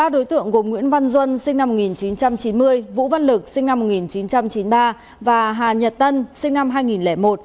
ba đối tượng gồm nguyễn văn duân sinh năm một nghìn chín trăm chín mươi vũ văn lực sinh năm một nghìn chín trăm chín mươi ba và hà nhật tân sinh năm hai nghìn một